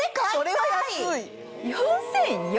はい。